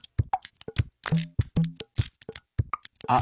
あ！